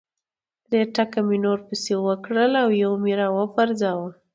درې ټکه مې نور پسې وکړل او یو مې ځنې را و پرځاوه.